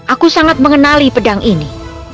aku sangat mengenali pedang ini